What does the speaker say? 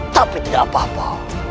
tapi tidak apa apa